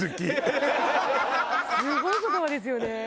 すごい言葉ですよね。